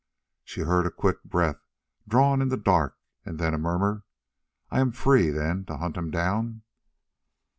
She heard a quick breath drawn in the dark, and then a murmur: "I am free, then, to hunt him down!"